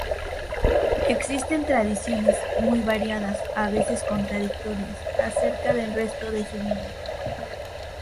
Existen tradiciones, muy variadas, a veces contradictorias, acerca del resto de su vida.